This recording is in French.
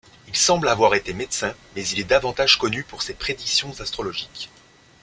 Il semble avoir été médecin mais il est davantage connu pour ses prédictions astrologiques.